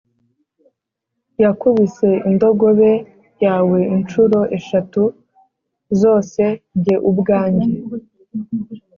Wakubise indogobe yawe incuro eshatu zose jye ubwanjye